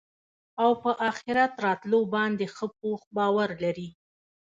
او په آخرت راتلو باندي ښه پوخ باور لري